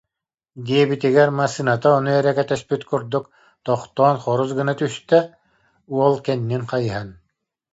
диэбитигэр, массыыната ону эрэ кэтэспит курдук, тохтоон хорус гынна түстэ, уол кэннин хайыһан: